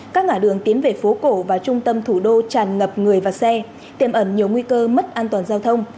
các ngã đường tiến về phố cổ và trung tâm thủ đô chàn ngập người và xe tìm ẩn nhiều nguy cơ mất an toàn giao thông